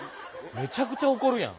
めちゃくちゃ怒るやん。